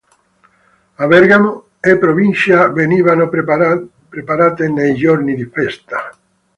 A Bergamo e provincia venivano preparate nei giorni di festa.